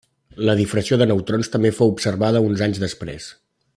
La difracció de neutrons també fou observada uns anys després.